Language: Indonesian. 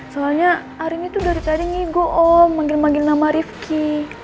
soalnya arin itu dari tadi ngigo om manggil manggil nama rifqi